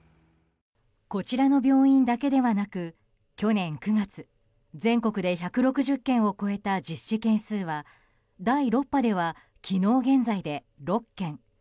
こちらの病院だけではなく去年９月、全国で１６０件を超えた実施件数は第６波では昨日現在で６件。